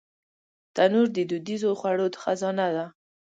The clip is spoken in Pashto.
تنور د دودیزو خوړو خزانه ده